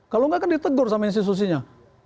kalau enggak kan ditegur sama institusinya